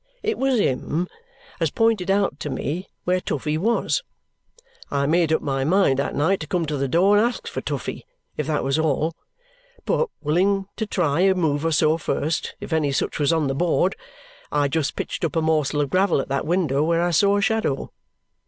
It was him as pointed out to me where Toughey was. I made up my mind that night to come to the door and ask for Toughey, if that was all; but willing to try a move or so first, if any such was on the board, I just pitched up a morsel of gravel at that window where I saw a shadow.